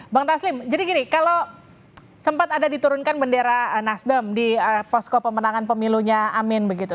bang taslim jadi gini kalau sempat ada diturunkan bendera nasdem di posko pemenangan pemilunya amin begitu